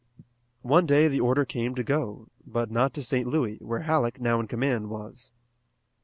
One day the order came to go, but not to St. Louis, where Halleck, now in command, was.